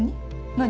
何？